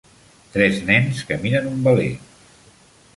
Tres nens que miren un veler.